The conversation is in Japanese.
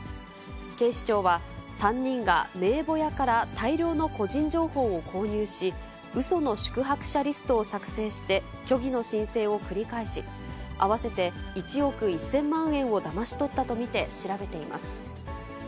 警視庁は、３人が名簿屋から大量の個人情報を購入し、うその宿泊者リストを作成して、虚偽の申請を繰り返し、合わせて１億１０００万円をだまし取ったと見て調べています。